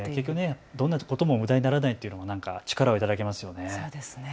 どんなこともむだにならないというのも力を頂きますよね。